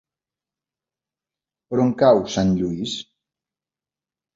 Per on cau Sant Lluís?